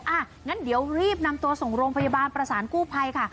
อ่ะงั้นเดี๋ยวรีบนำตัวส่งโรงพยาบาลประสานกู้ภัยค่ะ